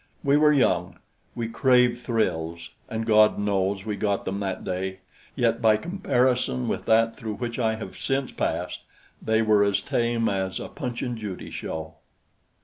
We were young; we craved thrills, and God knows we got them that day; yet by comparison with that through which I have since passed they were as tame as a Punch and Judy show.